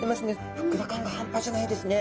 ふっくら感が半端じゃないですね。